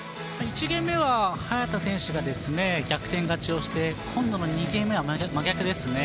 １ゲーム目は早田選手がですね逆転勝ちをして今度の２点目は真逆ですね。